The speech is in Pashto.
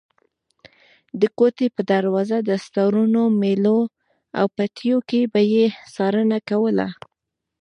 د کوټې په دروازه، دستارونو، مېلو او پټیو کې به یې څارنه کوله.